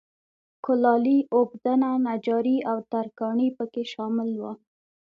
کولالي، اوبدنه، نجاري او ترکاڼي په کې شامل وو